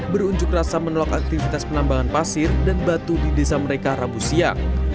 berunjuk rasa menolak aktivitas penambangan pasir dan batu di desa mereka rabu siang